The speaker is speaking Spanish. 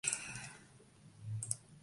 Transvaal de Surinam.